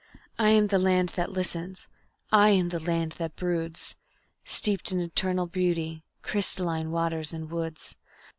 I am the land that listens, I am the land that broods; Steeped in eternal beauty, crystalline waters and woods.